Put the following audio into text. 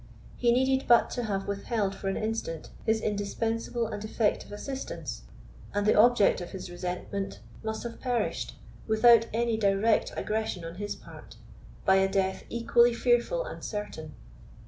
He needed but to have withheld for an instant his indispensable and effective assistance, and the object of his resentment must have perished, without any direct aggression on his part, by a death equally fearful and certain.